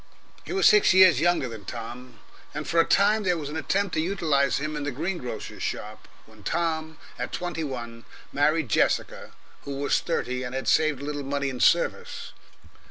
He was six years younger than Tom, and for a time there was an attempt to utilise him in the green grocer's shop when Tom at twenty one married Jessica who was thirty, and had saved a little money in service.